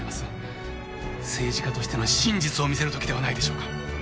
政治家としての真実を見せる時ではないでしょうか。